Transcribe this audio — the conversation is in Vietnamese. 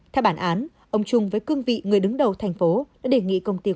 theo bản án ông trung với cương vị người đứng đầu thành phố đã đề nghị công ty